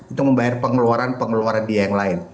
untuk membayar pengeluaran pengeluaran dia yang lain